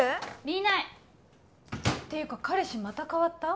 見ないていうか彼氏またかわった？